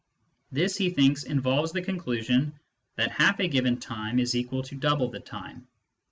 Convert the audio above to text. This, he thinks, involves the conclusion that half a given time is equal to double the time.